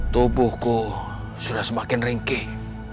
tubuhku sudah semakin ringkih